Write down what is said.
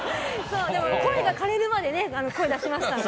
声が枯れるまで声を出しましたので。